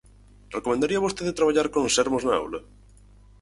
Recomendaría vostede traballar con Sermos na aula?